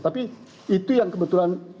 tapi itu yang kebetulan